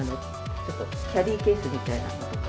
ちょっとキャリーケースみたいなのとか。